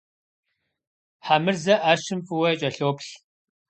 Хьэмырзэ ӏэщым фӏыуэ кӏэлъоплъ.